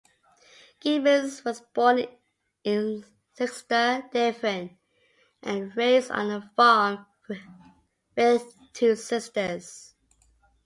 Gibbons was born in Exeter, Devon, and raised on a farm with two sisters.